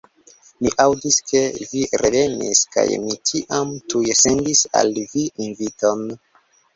Mi aŭdis, ke vi revenis, kaj mi tiam tuj sendis al vi inviton.